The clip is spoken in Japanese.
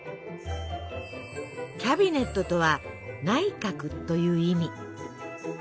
キャビネットとは「内閣」という意味。